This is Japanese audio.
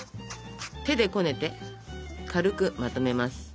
手でこねて軽くまとめます。